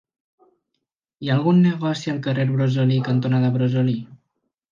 Hi ha algun negoci al carrer Brosolí cantonada Brosolí?